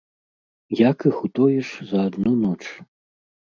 Як іх утоіш за адну ноч?